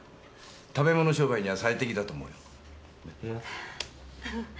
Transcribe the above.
食べ物商売には最適だと思うよ。ね。